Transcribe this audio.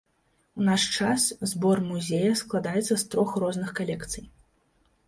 У наш час збор музея складаецца з трох розных калекцый.